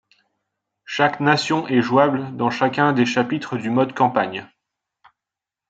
Chaque nation est jouable dans chacun des chapitres du mode campagne.